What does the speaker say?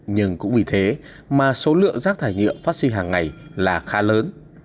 nhưng cũng vì thế mà số lượng rác thải nhựa phát sinh hàng ngày là khá lớn